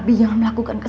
sebenernya aku ingin